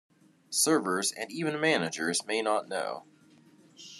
Servers and even managers may not know.